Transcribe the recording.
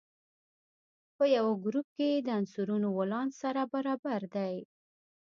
په یوه ګروپ کې د عنصرونو ولانس سره برابر دی.